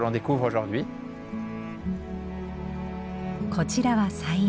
こちらは菜園。